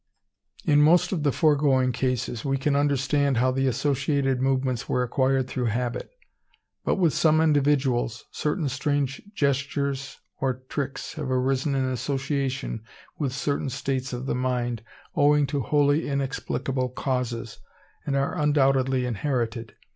In most of the foregoing cases, we can understand how the associated movements were acquired through habit; but with some individuals, certain strange gestures or tricks have arisen in association with certain states of the mind, owing to wholly inexplicable causes, and are undoubtedly inherited.